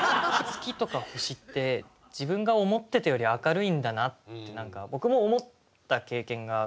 月とか星って自分が思ってたより明るいんだなって何か僕も思った経験が過去にあるんで。